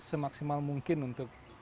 semaksimal mungkin untuk